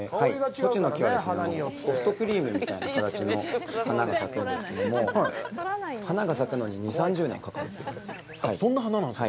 トチの木は、ソフトクリームみたいな形の花が咲くんですけれども、花が咲くのに２０３０年かかるんです。